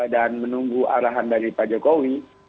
dan menunggu arahan dari pak jokowi